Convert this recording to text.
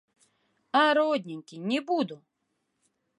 А родненькі, не буду!